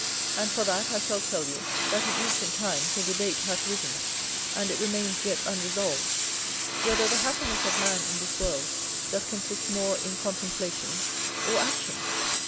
And for that, I shall tell you, that in ancient times a debate hath risen, and it remains yet unresolved, whether the happiness of man in this world doth consist more in contemplation or action?